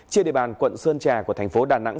trên địa bàn quận sơn trà của thành phố đà nẵng